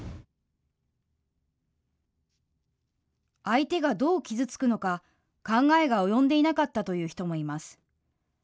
相手がどう傷つくのか考えが及んでいなかったという人もいます。